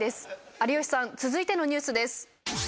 有吉さん続いてのニュースです。